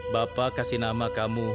bapak kasih nama kamu